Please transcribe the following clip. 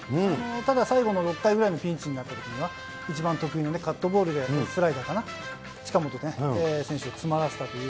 ただ、最後の６回ぐらいのピンチになったときには、一番得意のカットボールで、スライダーかな、近本選手を詰まらせたという。